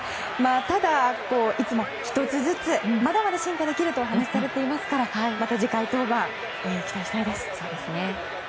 ただ、いつも１つずつまだまだ進化できるとお話しされていますからまた次回の登板に期待したいです。